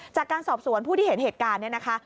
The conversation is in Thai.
จากการสอบสวนผู้ที่เห็นเหตุการณ์เนี่ยนะคะ